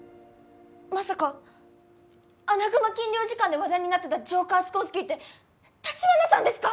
まさか『アナグマ禁猟時間』で話題になってたジョーカー・スコンスキーって城華さんですか！？